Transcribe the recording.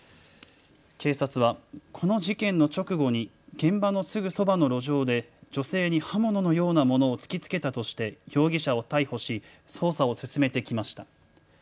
警察はこの事件の直後に現場のすぐそばの路上で女性に刃物のようなものを突きつけたとして容疑者を逮捕し捜査を進めてきました。